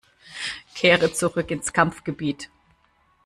Kehre zurück ins Kampfgebiet!